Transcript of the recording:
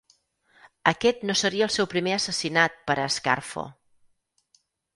Aquest no seria el seu primer assassinat per a Scarfo.